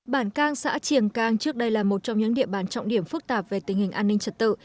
bản cang xã triềng cang trước đây là một trong những địa bàn trọng điểm phức tạp về tình hình an ninh trật tự